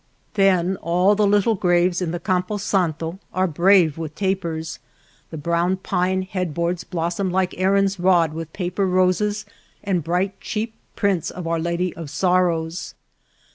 Then all the little graves in the Campo Santo are brave with tapers, the brown pine headboards blossom like Aaron's rod with paper roses and bright cheap prints of Our Lady of Sorrows.